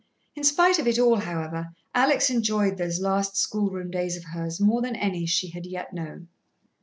In spite of it all, however, Alex enjoyed those last schoolroom days of hers more than any she had yet known.